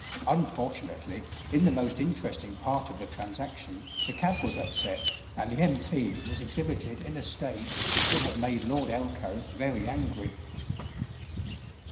Unfortunately, in the most interesting part of the transaction, the cab was upset and the M.P. was exhibited in a state which would have made Lord Elcho very angry.